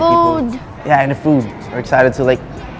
พวกมันก็เรารู้ขึ้น